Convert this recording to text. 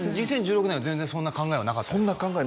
２０１６年は全然そんな考えはなかったですか？